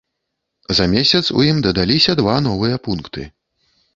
За месяц у ім дадаліся два новыя пункты.